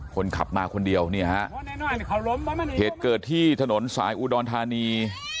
คนขับมาคนเดียวเนี่ยฮะเหตุเกิดที่ถนนสายอุดรธานี